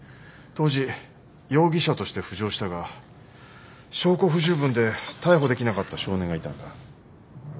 当時容疑者として浮上したが証拠不十分で逮捕できなかった少年がいたんだ。